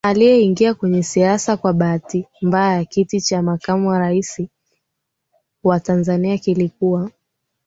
aliyeingia kwenye siasa kwa bahati mbayaKiti cha Makamu wa Rais wa Tanzania kilikuwa